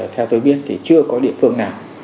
theo tôi biết thì chưa có địa phương nào